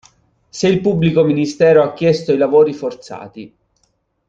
Se il pubblico ministero ha chiesto i lavori forzati.